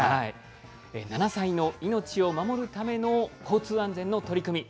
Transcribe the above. ７歳の命を守るための交通安全の取り組み。